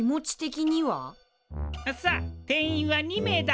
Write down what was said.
さあ定員は２名だ。